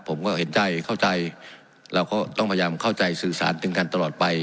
ผมก็เห็นใจเข้าใจเราก็ต้องพยายามเข้าใจสื่อสารถึงกันตลอดไป